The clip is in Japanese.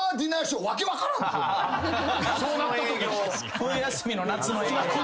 冬休みの夏の営業。